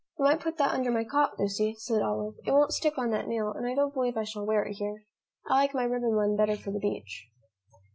"You might put that under my cot, Lucy," said Olive. "It won't stick on that nail, and I don't believe I shall wear it here. I like my ribbon one better for the beach."